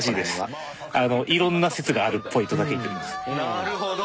なるほど。